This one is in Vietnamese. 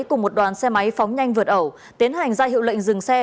cùng một đoàn xe máy phóng nhanh vượt ẩu tiến hành ra hiệu lệnh dừng xe